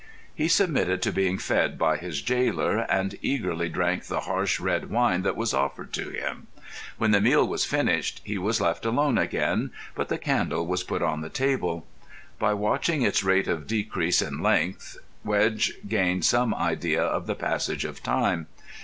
He submitted to being fed by his jailer, and eagerly drank the harsh red wine that was offered to him. When the meal was finished he was left alone again, but the candle was put on the table. By watching its rate of decrease in length Wedge gained some idea of the passage of time.